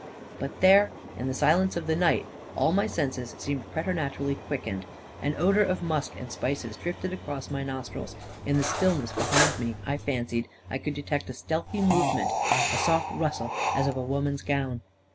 But there, in the silence of the night, all my senses seemed preter naturally quickened; an odor of musk and spices drifted across my nostrils; in the still ness behind me, I fancied I could detect a stealthy movement — a soft rustle, as of a woman's gown